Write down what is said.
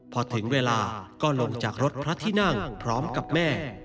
พอถึงเวลาก็ลงจากรถพระที่นั่งพร้อมกับแม่